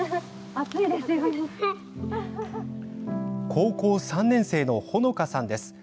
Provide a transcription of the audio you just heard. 高校３年生の、ほのかさんです。